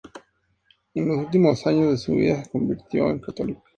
En los últimos años de su vida se convirtió en católica.